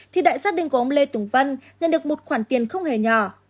thì đại gia đình của ông lê tùng vân nhận được một khoản tiền không hề nhỏ